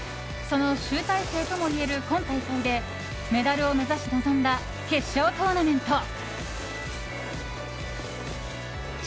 その集大成ともいえる今大会でメダルを目指し臨んだ決勝トーナメント。